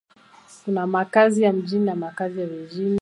Kuna makazi ya mjini na makazi ya vijijini.